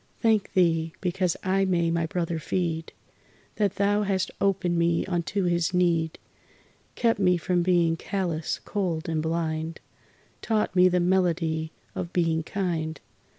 Thank Thee because I may my brother feed, That Thou hast opened me unto his need, Kept me from being callous, cold and blind, Taught me the melody of being kind.